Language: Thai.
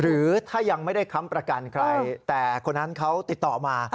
หรือถ้ายังไม่ได้ค้ำประกันใครแต่คนนั้นเขาติดต่อมา